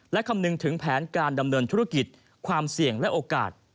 และคำนึงถึงแผนการดำเนินธุรกิจความเสี่ยงและโอกาส